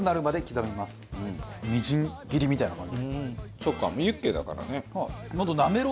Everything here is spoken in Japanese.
そっかユッケだからね。